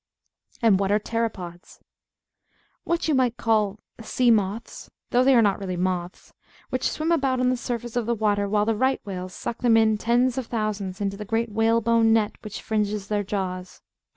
And what are Pteropods? What you might call sea moths (though they are not really moths), which swim about on the surface of the water, while the right whales suck them in tens of thousands into the great whalebone net which fringes their jaws.